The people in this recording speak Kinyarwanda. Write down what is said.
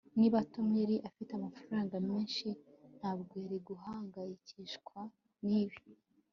niba tom yari afite amafaranga menshi, ntabwo yari guhangayikishwa nibi